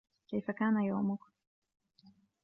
كيف كان يومك ؟